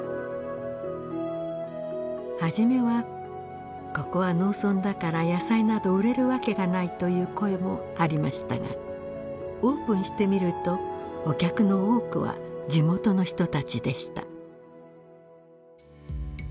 初めは「ここは農村だから野菜など売れるわけがない」という声もありましたがオープンしてみるとお客の多くは地元の人たちでした。